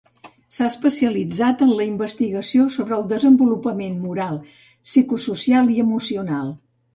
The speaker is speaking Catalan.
S'ha especialitzat en la investigació sobre el desenvolupament moral, psicosocial i emocional.